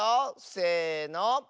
せの。